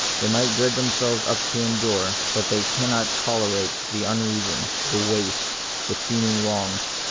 They might gird themselves up to endure, but they cannot tolerate the unreason, the waste, the The Mystery of Pain. seeming wrong.